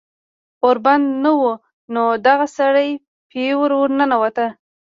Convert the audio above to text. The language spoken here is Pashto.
ور بند نه و نو دغه سړی پې ور ننوت